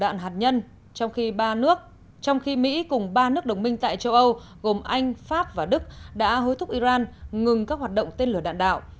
đầu đạn hạt nhân trong khi mỹ cùng ba nước đồng minh tại châu âu gồm anh pháp và đức đã hối thúc iran ngừng các hoạt động tên lửa đạn đạo